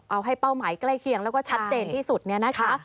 เอาให้เป้าหมายใกล้เคียงแล้วก็ชัดเจนที่สุดเนี่ยนะคะ